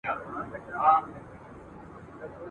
آیا مړی ئې په درنښت ښخ سو؟